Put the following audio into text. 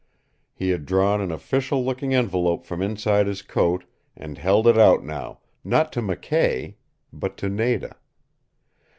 He had drawn an official looking envelope from inside his coat, and held it out now not to McKay but to Nada.